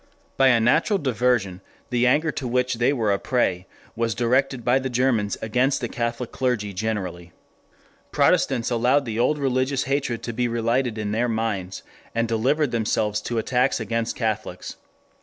By a natural diversion the anger to which they were a prey was directed by the Germans against the Catholic clergy generally. Protestants allowed the old religious hatred to be relighted in their minds and delivered themselves to attacks against Catholics.